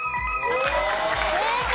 正解！